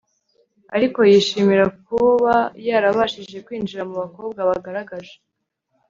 ariko yishimira kuba yarabashije kwinjira mu bakobwa bagaragaje